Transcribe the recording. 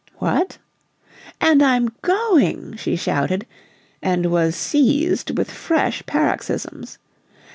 "What!" "And I'm GOING!" she shouted, and was seized with fresh paroxysms.